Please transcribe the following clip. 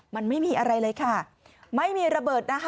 มันไม่มีอะไรเลยค่ะไม่มีระเบิดนะคะ